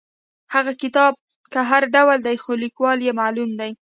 هغه کتاب که هر ډول دی خو لیکوال یې معلوم دی.